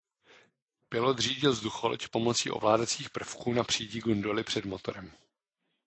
Pilot řídil vzducholoď pomocí ovládacích prvků na přídi gondoly před motorem.